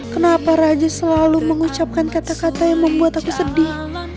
kenapa raja selalu mengucapkan kata kata yang membuat aku sedih